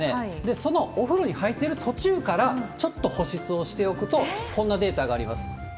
そのお風呂に入ってる途中からちょっと保湿をしておくと、こんなデータがあります。